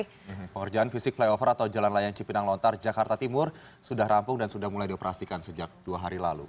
pengerjaan fisik flyover atau jalan layang cipinang lontar jakarta timur sudah rampung dan sudah mulai dioperasikan sejak dua hari lalu